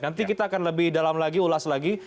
nanti kita akan lebih dalam lagi ulas lagi